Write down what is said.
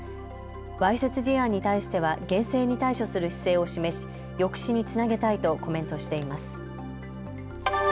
わいせつ事案に対しては厳正に対処する姿勢を示し抑止につなげたいとコメントしています。